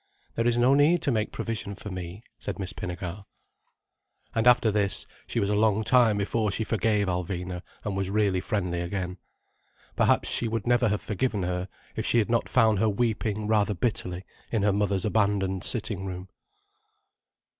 "There is no need to make provision for me," said Miss Pinnegar. And after this, she was a long time before she forgave Alvina, and was really friendly again. Perhaps she would never have forgiven her if she had not found her weeping rather bitterly in her mother's abandoned sitting room.